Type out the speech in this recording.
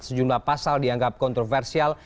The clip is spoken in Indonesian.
sejumlah pasal dianggap kontroversial